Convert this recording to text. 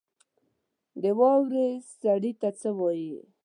د واورې سړي ته څه وايي؟